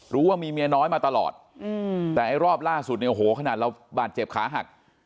ว่ามีเมียน้อยมาตลอดแต่ไอ้รอบล่าสุดเนี่ยโอ้โหขนาดเราบาดเจ็บขาหัก